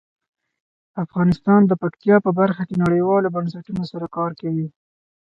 افغانستان د پکتیا په برخه کې نړیوالو بنسټونو سره کار کوي.